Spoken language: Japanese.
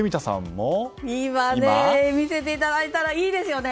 今、見せていただいたらいいですよね。